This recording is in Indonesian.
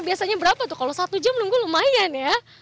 biasanya berapa tuh kalau satu jam nunggu lumayan ya